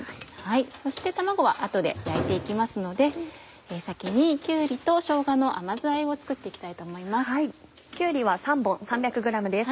そして卵は後で焼いて行きますので先にきゅうりとしょうがの甘酢あえを作って行きたいと思います。